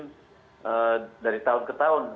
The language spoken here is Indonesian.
jadi dari tahun ke tahun